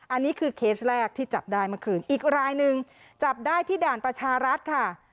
อันนี้คือเคสแรกที่จับได้เมื่อคืนอีกรายหนึ่งจับได้ที่ด่านประชารัฐค่ะ